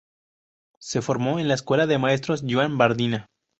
Se formó en la Escuela de Maestros Joan Bardina.